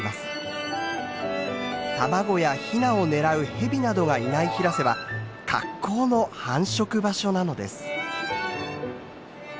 卵やヒナを狙うヘビなどがいない平瀬は格好の繁殖場所なのです。